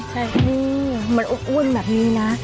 อ๋อใช่นี่มันอุ้นแบบนี้นะ